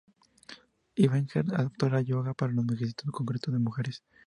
Iyengar adaptó el yoga para los requisitos concretos de mujeres.